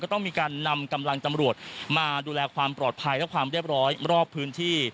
ต้องมีการนำกำลังตำรวจมาดูแลความปลอดภัยและความเรียบร้อยรอบพื้นที่